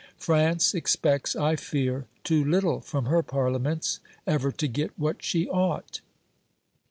France expects, I fear, too little from her Parliaments ever to get what she ought.